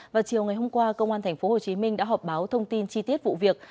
vào chiều ngày hôm qua công an tp hcm đã họp báo thông tin chi tiết vụ việc